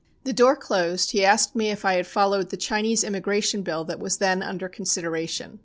"The door closed, he asked me if I had followed the Chinese Immigration Bill that was then under consideration.